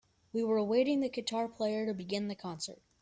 We were awaiting the guitar player to begin the concert.